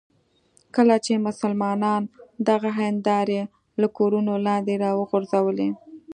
کله چې مسلمانان دغه هندارې له کورونو لاندې راوغورځوي.